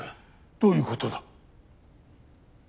どういうことだ？